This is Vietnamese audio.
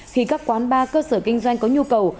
khi các quán bar cơ sở kinh doanh có nhu cầu